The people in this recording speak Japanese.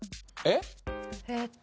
えっ？